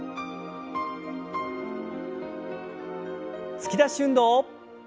突き出し運動。